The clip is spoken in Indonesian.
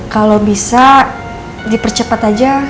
kalau bisa dipercepat aja